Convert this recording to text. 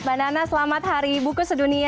mbak nana selamat hari buku sedunia